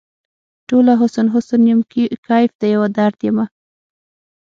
ټوله حسن ، حسن یم کیف د یوه درد یمه